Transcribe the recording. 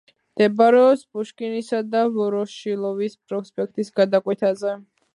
მდებარეობს პუშკინისა და ვოროშილოვის პროსპექტის გადაკვეთაზე.